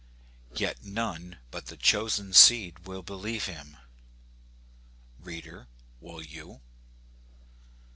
Yet none but the chosen seed will believe him. Reader J will you